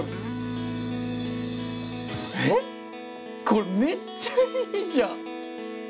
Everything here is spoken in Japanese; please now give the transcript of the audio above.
これめっちゃいいじゃん。